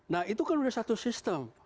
nah itu kan udah satu sistem